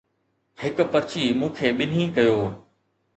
هڪ پرچي مون کي ٻنهي ڪيو